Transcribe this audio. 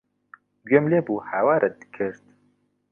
گوێم لێ بوو هاوارت کرد.